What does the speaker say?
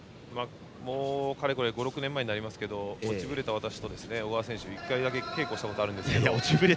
５６年前になりますけど落ちぶれた私と、小川選手１回だけ稽古したことがあるんですけど。